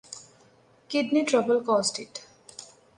Kidney trouble caused it.